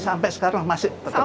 sampai sekarang masih tetap